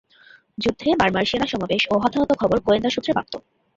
যুদ্ধে বার্মার সেনা সমাবেশ ও হতাহতের খবর গোয়েন্দা সূত্রে প্রাপ্ত।